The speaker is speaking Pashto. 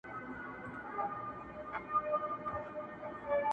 وایې خدای دې کړي خراب چي هرچا وړﺉ.